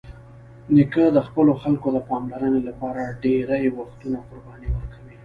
نیکه د خپلو خلکو د پاملرنې لپاره ډېری وختونه قرباني ورکوي.